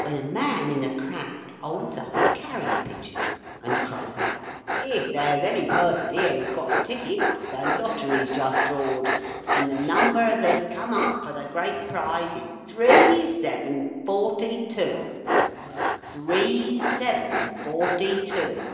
when a man in the crowd holds up a carrier pigeon, and cries out, "If there's any person here as has got a ticket, the Lottery's just drawed, and the number as has come up for the great prize is three, seven, forty two! Three, seven, forty two!"